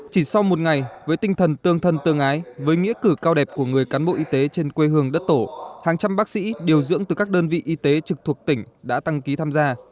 chỉ sau một ngày với tinh thần tương thân tương ái với nghĩa cử cao đẹp của người cán bộ y tế trên quê hương đất tổ hàng trăm bác sĩ điều dưỡng từ các đơn vị y tế trực thuộc tỉnh đã tăng ký tham gia